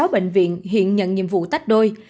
sáu bệnh viện hiện nhận nhiệm vụ tách đôi